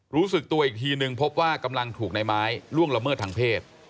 รู้สึกตัวอีกทีนึงพบว่ากำลังถูกในไม้ล่วงละเมิดทางเพศ